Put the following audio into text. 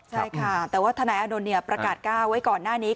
ใช่ค่ะแต่ว่าธนายอนุณเนี่ยประกาศกล้าไว้ก่อนหน้านี้